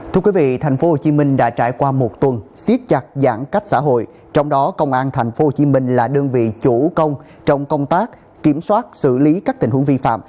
thưa quý vị thành phố hồ chí minh đã trải qua một tuần siết chặt giãn cách xã hội trong đó công an thành phố hồ chí minh là đơn vị chủ công trong công tác kiểm soát xử lý các tình huống vi phạm